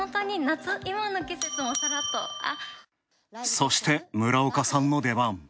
そして村岡さんの出番。